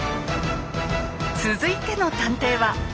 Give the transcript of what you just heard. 続いての探偵は。